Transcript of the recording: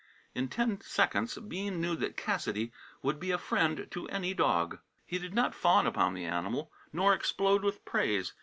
In ten seconds Bean knew that Cassidy would be a friend to any dog. He did not fawn upon the animal nor explode with praise.